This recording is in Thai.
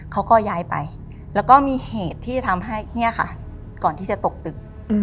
เขาก็ย้ายไปแล้วก็มีเหตุที่ทำให้ก่อนที่จะตกตึก